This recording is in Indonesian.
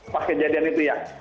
pas kejadian itu ya